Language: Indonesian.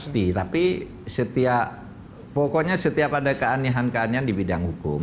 tapi setiap pokoknya setiap ada keanihan keanihan di bidang hukum